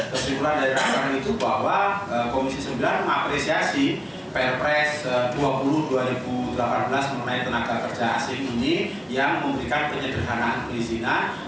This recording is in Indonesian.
kesimpulan dari raker itu bahwa komisi sembilan mengapresiasi pr press dua puluh dua ribu delapan belas mengenai tenaga kerja asing ini yang memberikan penyederhanaan perizinan